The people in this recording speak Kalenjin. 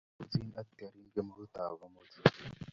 maabosi atyorin kemoutab amut